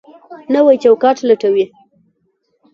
نوی چوکاټ لټوي.